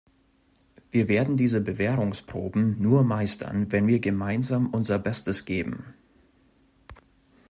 Wir werden diese Bewährungsproben nur meistern, wenn wir gemeinsam unser Bestes geben.